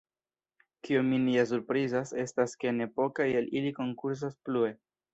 Kio min ja surprizas estas ke ne pokaj el ili konkursas plue!